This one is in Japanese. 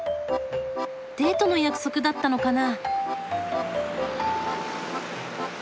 デートの約束だったのかな？